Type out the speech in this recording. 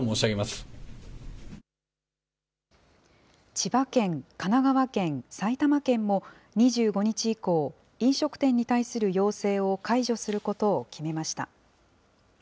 千葉県、神奈川県、埼玉県も、２５日以降、飲食店に対する要請を解除することを決めました。